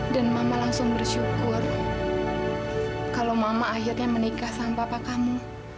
dan mama langsung bersyukur kalau mama akhirnya menikah sama papa kamu